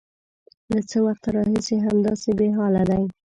_له څه وخته راهيسې همداسې بېحاله دی؟